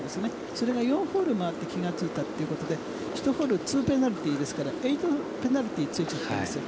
それが４ホール回って気が付いたということで１ホール２ペナルティーですから８ペナルティーだったんですよ。